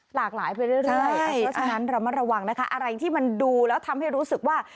หลากหลายไปเรื่อยเพราะฉะนั้นระมัดระวังนะคะอะไรที่มันดูแล้วทำให้รู้สึกว่า